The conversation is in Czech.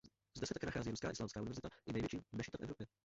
Zde se také nachází ruská islámská univerzita i největší mešita v Evropě.